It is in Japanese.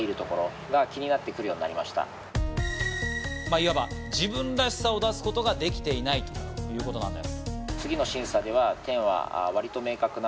いわば自分らしさを出すことができていないということなんです。